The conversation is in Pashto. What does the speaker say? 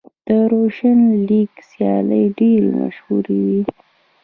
د روشن لیګ سیالۍ ډېرې مشهورې وې.